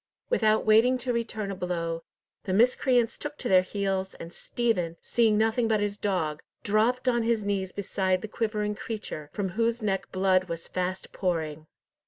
Without waiting to return a blow, the miscreants took to their heels, and Stephen, seeing nothing but his dog, dropped on his knees beside the quivering creature, from whose neck blood was fast pouring.